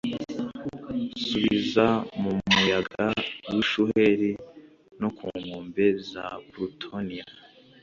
subiza mu muyaga w'ishuheri no ku nkombe za plutoniya